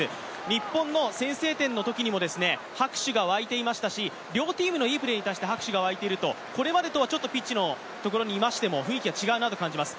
日本の先制点のときにも拍手が沸いていましたし両チームのいいプレーに対して拍手がわいているこれまでとはちょっとピッチのところにいましても、雰囲気が違うなと感じます。